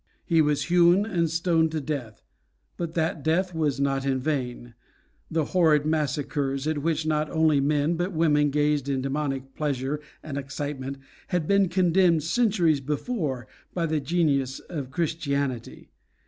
He was hewn and stoned to death. But that death was not in vain. The horrid massacres, at which not only men but women gazed in demoniac pleasure and excitement, had been condemned centuries before by the genius of Christianity.